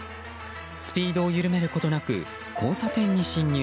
スピードを緩めることなく交差点に進入。